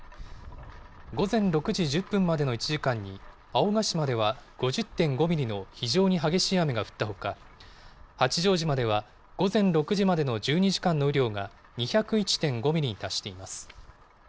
午前６時１０分までの１時間に、青ヶ島では５０．５ミリの非常に激しい雨が降ったほか、八丈島では午前６時までの１２時間の雨量が、２０１．５ミリに達しています。